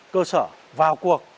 cơ sở vào cuộc